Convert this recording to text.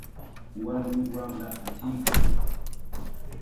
Warmi wamra asiykan.